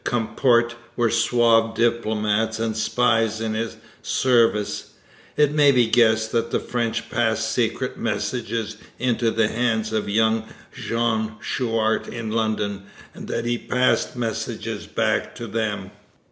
Comporte were suave diplomats and spies in his service, it may be guessed that the French passed secret messages into the hands of young Jean Chouart in London, and that he passed messages back to them.